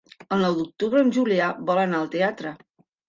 El nou d'octubre en Julià vol anar al teatre.